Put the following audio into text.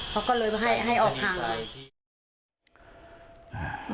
เขาก็เลยให้ออกห่างเลย